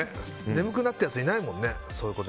眠くなってるやついないもんね。